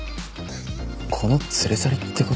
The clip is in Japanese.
子の連れ去りって事？